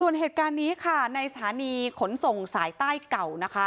ส่วนเหตุการณ์นี้ค่ะในสถานีขนส่งสายใต้เก่านะคะ